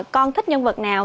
con thích nhân vật nào